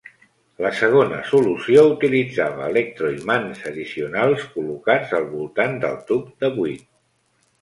La segona solució utilitzava electroimants addicionals col·locats al voltant del tub de buit.